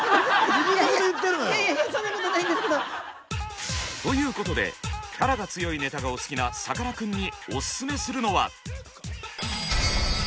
いえいえいえそんなことないんですけど。ということでキャラが強いネタがお好きなさかなクンにオススメするのは。